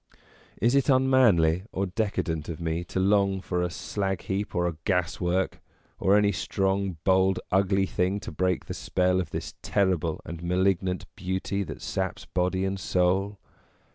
Is it unmanly or decadent of me to long for a slag heap or a gaswork, or any strong, bold, ugly thing to break the spell of this terrible and malignant beauty that saps body and soul